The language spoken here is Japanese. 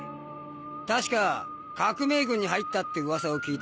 確か革命軍に入ったって噂を聞いたが。